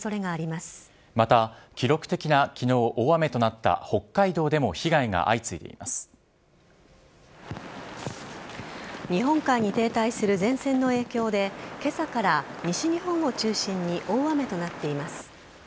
また、記録的な昨日、大雨となった日本海に停滞する前線の影響で今朝から西日本を中心に大雨となっています。